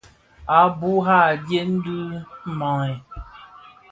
A bùrà, a dyèn dì mang.